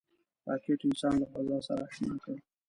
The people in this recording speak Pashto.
راکټ انسان له فضا سره اشنا کړ